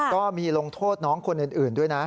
ก็มีลงโทษน้องคนอื่นด้วยนะ